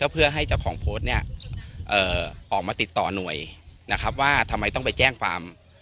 เพื่อให้เจ้าของโพสต์เนี่ยออกมาติดต่อหน่วยนะครับว่าทำไมต้องไปแจ้งความ